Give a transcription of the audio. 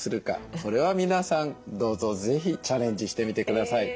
これは皆さんどうぞ是非チャレンジしてみてください。